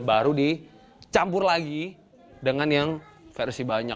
baru dicampur lagi dengan yang versi banyak